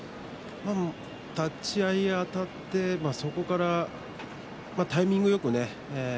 立ち合い、あたってそこからタイミングよくね